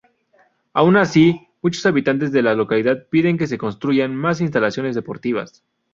Aun así, muchos habitantes de la localidad piden que se construyan más instalaciones deportivas.